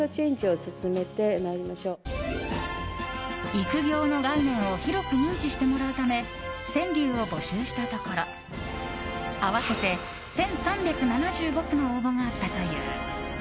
育業の概念を広く認知してもらうため川柳を募集したところ合わせて１３７５句の応募があったという。